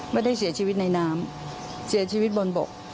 ไม่ได้เสียชีวิตในน้ำเสียชีวิตบนบก